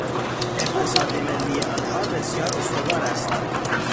اقتصاد ملی آنها بسیار استوار است.